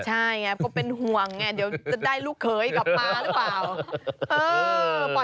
ใช่ไงก็เป็นห่วงไงเดี๋ยวจะได้ลูกเขยกลับมาหรือเปล่า